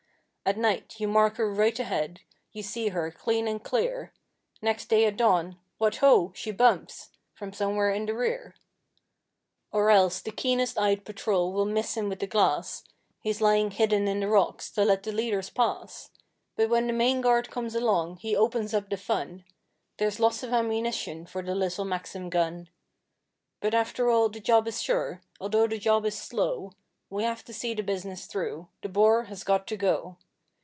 At night you mark her right ahead, you see her clean and clear, Next day at dawn 'What, ho! she bumps' from somewhere in the rear. Or else the keenest eyed patrol will miss him with the glass He's lying hidden in the rocks to let the leaders pass; But when the main guard comes along he opens up the fun, There's lots of ammunition for the little Maxim gun. But after all the job is sure, although the job is slow, We have to see the business through, the Boer has got to go.